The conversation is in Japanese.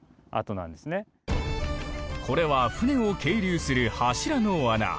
これは船を係留する柱の穴。